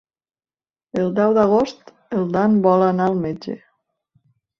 El deu d'agost en Dan vol anar al metge.